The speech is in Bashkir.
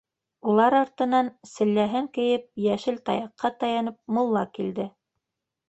Улар артынан сәлләһен кейеп, йәшел таяҡҡа таянып мулла килде.